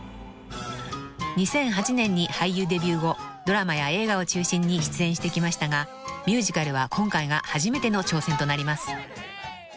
［２００８年に俳優デビュー後ドラマや映画を中心に出演してきましたがミュージカルは今回が初めての挑戦となります］